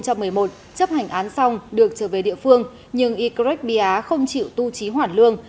hai nghìn một mươi một chấp hành án xong được trở về địa phương nhưng ycret bia không chịu tu trí hoản lương